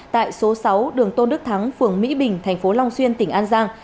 tại số sáu đường tôn đức thắng phường mỹ bình thành phố long xuyên tỉnh an giang